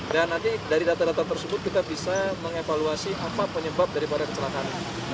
dan nanti dari data data tersebut kita bisa mengevaluasi apa penyebab daripada kecelakaan